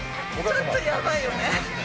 ちょっとやばいよね。